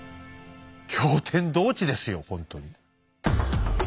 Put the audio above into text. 驚天動地ですよほんとに。